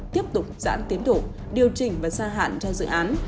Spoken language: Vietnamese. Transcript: tiếp tục giãn tiến độ điều chỉnh và gia hạn cho dự án